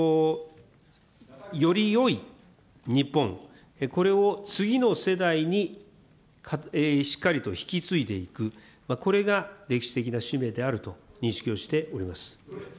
よりよい日本、これを次の世代にしっかりと引き継いでいく、これが歴史的な使命であると認識をしております。